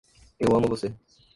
Eu amo você